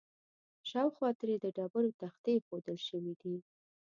شاوخوا ترې د ډبرو تختې ایښودل شوي دي.